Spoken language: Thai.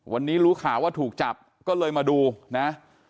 วันนี้รู้ข่าวว่าถูกจับก็เลยมาดูนะ